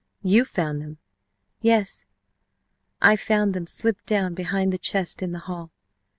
"You found them?" "Yes, I found them slipped down behind the chest in the hall.